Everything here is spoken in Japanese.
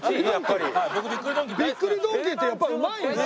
びっくりドンキーってやっぱうまいんだ。